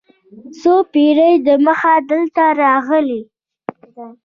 څو پېړۍ دمخه دلته راغلي.